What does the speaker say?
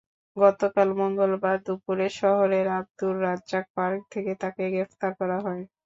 গতকাল মঙ্গলবার দুপুরে শহরের আব্দুর রাজ্জাক পার্ক থেকে তাঁকে গ্রেপ্তার করা হয়।